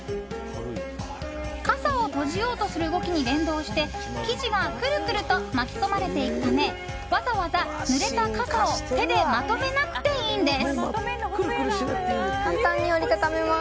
傘を閉じようとする動きに連動して生地がくるくると巻き込まれていくためわざわざ、ぬれた傘を手でまとめなくていいんです。